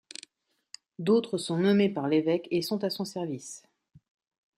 D'autres sont nommés par l'évêque et sont à son service.